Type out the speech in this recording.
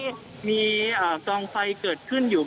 เหลือเพียงกลุ่มเจ้าหน้าที่ตอนนี้ได้ทำการแตกกลุ่มออกมาแล้วนะครับ